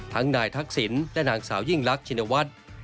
ทั้งนายทักษิณและนางสาวยิ่งลักษณวัฏ